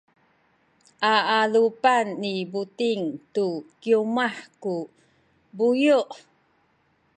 a adupan ni Buting tu kiwmah ku buyu’.